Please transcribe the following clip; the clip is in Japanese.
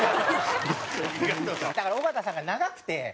だから尾形さんが長くて。